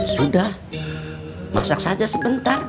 sudah masak saja sebentar